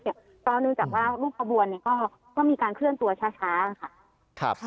ก็นึกจากว่าลูกขบวนก็มีการเคลื่อนตัวช้า